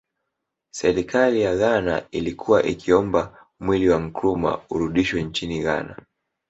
Serikali ya Ghana ilikuwa ikiomba mwili wa Nkrumah urudishwe nchini Ghana